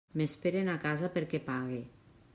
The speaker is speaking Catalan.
M'esperen a casa perquè pague.